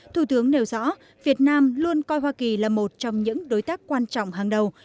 thủ tướng nêu rõ việt nam luôn coi hoa kỳ là một trong những đối tác quan trọng hàng đầu